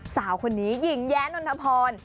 สาวคนนี้หญิงแย้นนทพร